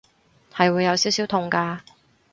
係會有少少痛㗎